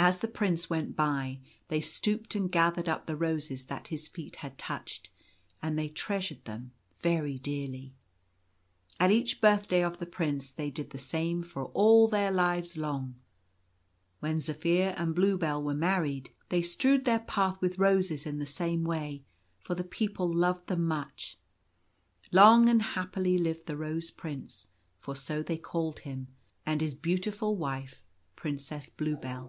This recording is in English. As the Prince went by, they stooped and gathered up the roses that his feet had touched ; and they treasured them very dearly. At each birthday of the Prince they did the same for all their lives long. When Zaphir and Bluebell were married, they strewed their path with roses in the same way, for the people loved them much. Long arid happily lived The Rose Prince — for so they called, him — and his beautiful wife Princess Bluebell.